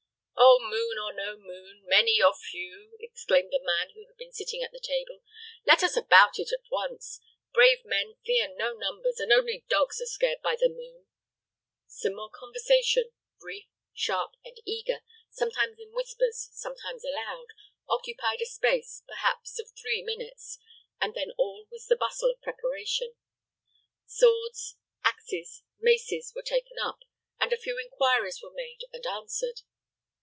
"Oh, moon or no moon, many or few," exclaimed the man who had been sitting at the table, "let us about it at once. Brave men fear no numbers; and only dogs are scared by the moon." Some more conversation, brief, sharp, and eager, sometimes in whispers, sometimes aloud, occupied a space, perhaps, of three minutes, and then all was the bustle of preparation. Swords, axes, maces were taken up, and a few inquiries were made and answered.